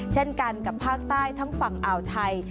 เช่นกันกับภาคใต้ทั้งฝั่งอ่าวไทย